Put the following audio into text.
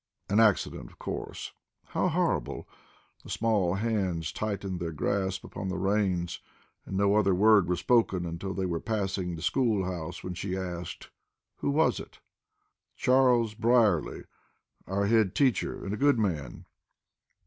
An accident, of course." "How horrible!" The small hands tightened their grasp upon the reins, and no other word was spoken until they were passing the school house, when she asked "Who was it?" "Charles Brierly, our head teacher, and a good man."